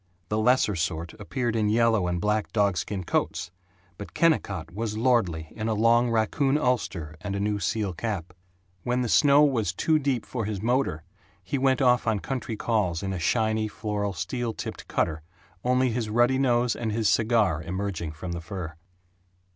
The lesser sort appeared in yellow and black dogskin coats, but Kennicott was lordly in a long raccoon ulster and a new seal cap. When the snow was too deep for his motor he went off on country calls in a shiny, floral, steel tipped cutter, only his ruddy nose and his cigar emerging from the fur.